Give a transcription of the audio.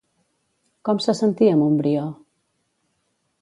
Com se sentia Montbrió?